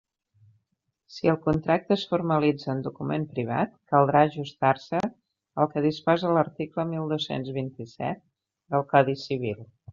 Si el contracte es formalitza en document privat, caldrà ajustar-se al que disposa l'article mil dos-cents vint-i-set del Codi Civil.